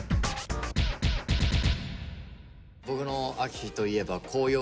僕の秋といえばえ？